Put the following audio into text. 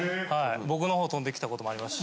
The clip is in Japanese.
僕のほう飛んで来たこともありますし。